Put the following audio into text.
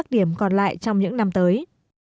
điểm còn lại trong những năm tới